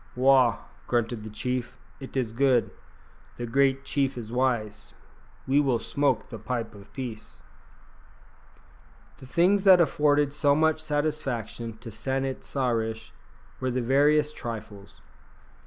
"Wah!" grunted the chief; "it is good. The great chief is wise. We will smoke the pipe of peace." The things that afforded so much satisfaction to San it sa rish were the veriest trifles.